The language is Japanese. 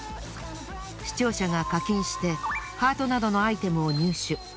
視聴者が課金してハートなどのアイテムを入手。